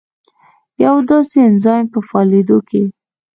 د یوه داسې انزایم په فعالېدو کې